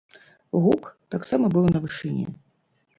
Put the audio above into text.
Гук таксама быў на вышыні.